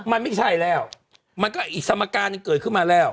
มันไม่ใช่แล้วมันก็อีกสมการหนึ่งเกิดขึ้นมาแล้ว